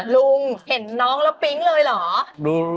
ลุงเห็นน้องแล้วปิ๊งเลยเหรอ